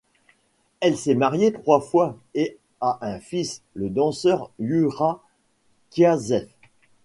Elle s'est mariée trois fois et a un fils, le danseur Yura Kniazeff.